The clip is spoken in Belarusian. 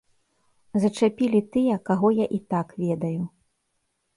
Зачапілі тыя, каго я і так ведаю.